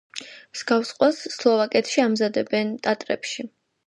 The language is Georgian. მსგავს ყველს სლოვაკეთში ამზადებენ, ტატრებში.